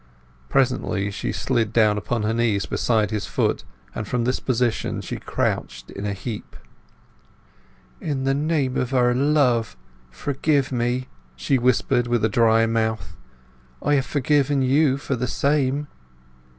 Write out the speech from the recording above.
Presently she slid down upon her knees beside his foot, and from this position she crouched in a heap. "In the name of our love, forgive me!" she whispered with a dry mouth. "I have forgiven you for the same!"